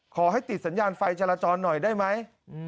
ติดสัญญาณไฟจราจรหน่อยได้ไหม